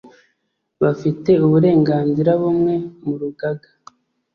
bafite uburenganzira bumwe mu Rugaga